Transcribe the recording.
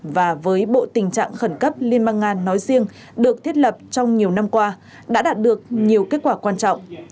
và với bộ tình trạng khẩn cấp liên bang nga nói riêng được thiết lập trong nhiều năm qua đã đạt được nhiều kết quả quan trọng